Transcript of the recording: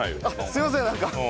すいませんなんか。